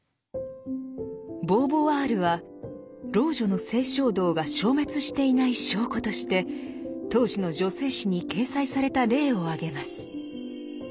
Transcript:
ボーヴォワールは老女の性衝動が消滅していない証拠として当時の女性誌に掲載された例を挙げます。